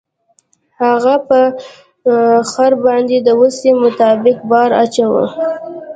هغه په خر باندې د وسې مطابق بار اچاوه.